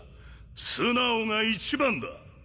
素直が一番だ。